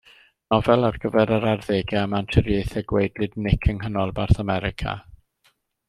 Nofel ar gyfer yr arddegau am anturiaethau gwaedlyd Nic yng nghanolbarth America.